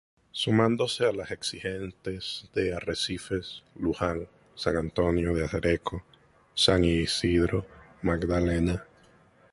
Sumándose a las existentes de Arrecifes, Luján, San Antonio de Areco, San Isidro, Magdalena.